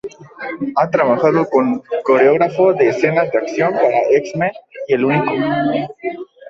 Ha trabajado como coreógrafo de escenas de acción para "X-Men" y "El único".